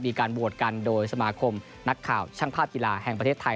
มีการโหวตกันโดยสมาคมนักข่าวช่างภาพกีฬาแห่งประเทศไทย